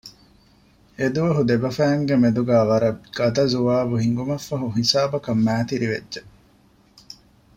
އެދުވަހު ދެބަފައިންގެ މެދުގައި ވަރަށް ގަދަ ޒުވާބު ހިނގުމަށްފަހު ހިސާބަކަށް މައިތިރިވެއްޖެ